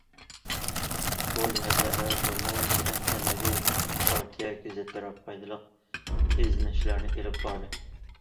بۇ جەھەتلەردە بىر مۇنچە ئەنئەنىۋى پارتىيە گېزىتلىرى، پايدىلىق ئىزدىنىشلەرنى ئېلىپ باردى.